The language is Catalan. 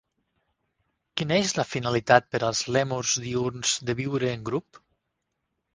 Quina és la finalitat per als lèmurs diürns de viure en grup?